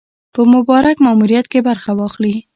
په مبارک ماموریت کې برخه واخلي.